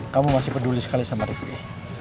kamu masih peduli sekali sama rifki